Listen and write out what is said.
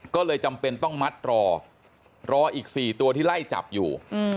ก็เลยจำเป็นต้องมัดรอรออีก๔ตัวที่ไล่จับอยู่